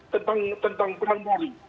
tentang tentang perang polri